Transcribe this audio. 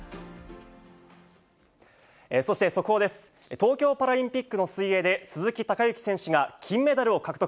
東京パラリンピックの水泳で鈴木孝幸選手が金メダルを獲得。